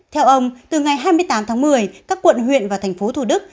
theo ông từ ngày hai mươi tám tháng một mươi các quận huyện và thành phố thủ đức